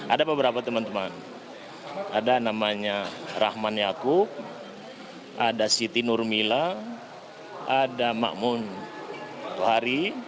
ada beberapa teman teman ada namanya rahman yaakub ada siti nurmila ada makmun tohari